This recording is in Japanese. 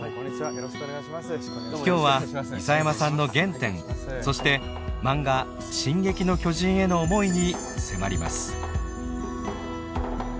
今日は諫山さんの原点そして漫画「進撃の巨人」への思いに迫ります。